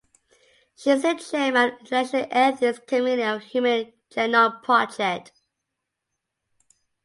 She is the chairman of the International Ethics Committee of the Human Genome Project.